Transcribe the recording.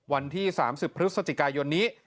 วันที่๓๐พฤศจิกายนนี้